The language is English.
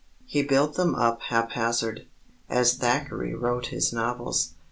He built them up haphazard, as Thackeray wrote his novels.